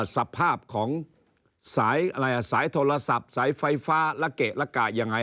สภาพของสายโทรศัพท์สายไฟฟ้าละเกะละกะยังไง